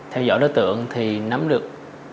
theo dõi đối tượng thì nắm được